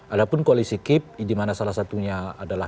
ada pun koalisi kip dimana salah satunya adalah